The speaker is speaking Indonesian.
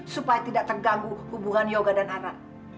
supaya tidak terganggu hubungan yoga dan anak